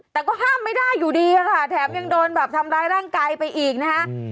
แต่ก็ห้ามไม่ได้อยู่ดีค่ะแถมยังโดนแบบทำร้ายร่างกายไปอีกนะคะ